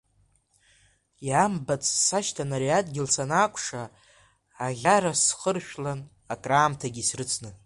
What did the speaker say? Иамбац сашьҭан ари адгьыл санаақәшәа, аӷьара схыршәлан акраамҭагьы срыцны.